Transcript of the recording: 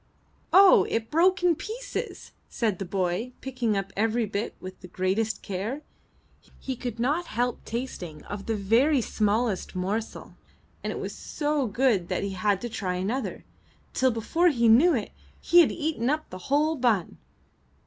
"Oh! it broke in pieces!" said the boy, picking up every bit with the greatest care. He could not help tasting of the very smallest morsel, and it was so good that he had to try another, till before he knew it, he had eaten up the whole bun.